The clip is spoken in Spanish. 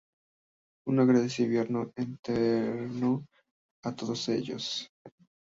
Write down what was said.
Un agradecimiento eterno a todos ellos..